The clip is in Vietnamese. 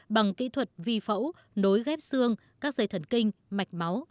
bằng kỹ thuật vi phẫu nối ghép xương các dây thần kinh mạch máu